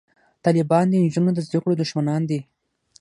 طالبان د نجونو د زده کړو دښمنان دي